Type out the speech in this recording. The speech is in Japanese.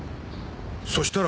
そしたら。